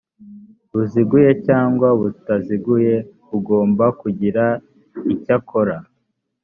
buziguye cyangwa butaziguye ugomba kugira icya kora